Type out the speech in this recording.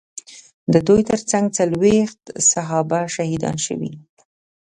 د دوی ترڅنګ څلوېښت صحابه شهیدان شوي.